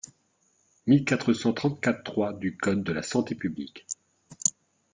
mille quatre cent trente-quatre-trois du code de la santé publique.